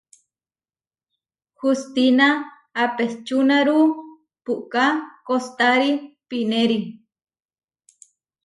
Hustína apečúnarúu puʼká kostári pinéri.